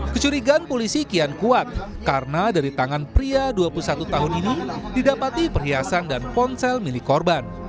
kecurigaan polisi kian kuat karena dari tangan pria dua puluh satu tahun ini didapati perhiasan dan ponsel milik korban